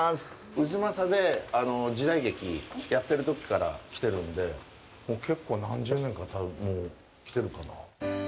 太秦で時代劇やってきときから来てるんで結構何十年か来てるかな。